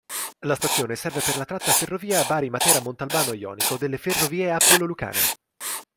La Stazione serve per la tratta Ferrovia Bari-Matera-Montalbano Jonico delle Ferrovie Appulo Lucane.